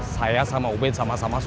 saya sama ubed sama sama sukses